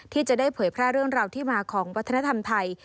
ที่จะได้เผยแพร่เรื่องราวที่มาของวัฒนธรรมไทย